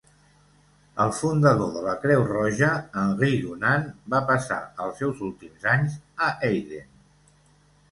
El fundador de la Creu Roja, Henry Dunant, va passar els seus últims anys a Heiden.